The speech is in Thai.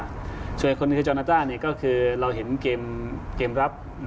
ส่วนใหญ่คนที่เจ้าหน้าจ้าก็คือเราเห็นเกมรับ